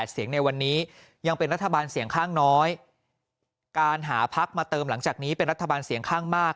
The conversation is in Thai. เสียงในวันนี้ยังเป็นรัฐบาลเสียงข้างน้อยการหาพักมาเติมหลังจากนี้เป็นรัฐบาลเสียงข้างมาก